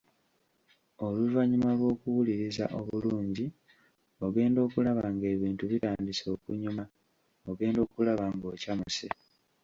Oluvannyuma lw’okuwuliriza obulungi ogenda okulaba ng’ebintu bitandise okunyuma, ogenda okulaba ng’okyamuse.